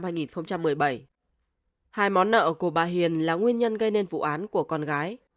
hai món nợ của bà hiền là nguyên nhân gây nên vụ án của con gái